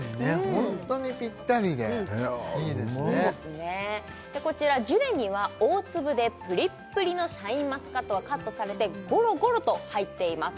ホントにぴったりでいいですねでこちらジュレには大粒でプリップリのシャインマスカットがカットされてゴロゴロと入っています